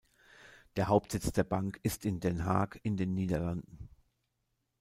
Der Hauptsitz der Bank ist in Den Haag in den Niederlanden.